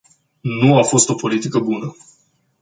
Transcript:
Nu a fost o politică bună.